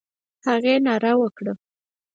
هغې ناره وکړه: